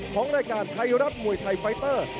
ของรายการไทยรัฐมวยไทยไฟเตอร์